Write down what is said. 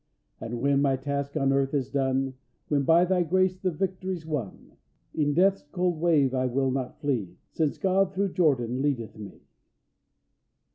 "And when my task on earth is done, When by Thy grace the victory's won, E'en death's cold wave I will not flee, Since God through Jordan leadeth me."